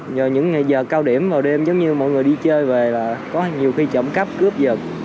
nhờ những ngày giờ cao điểm vào đêm giống như mọi người đi chơi về là có nhiều khi trộm cắp cướp dật